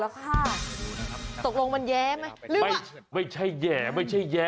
สรุปลงมันแยรี่อ่ะ